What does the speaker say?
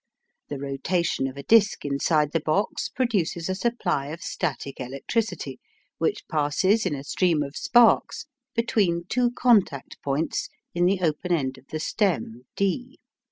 The rotation of a disc inside the box produces a supply of static electricity, which passes in a stream of sparks between two contact points in the open end of the stem D.